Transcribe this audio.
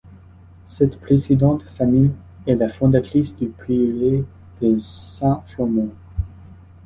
Cette précédente famille est la fondatrice du prieuré de Saint-Fromond.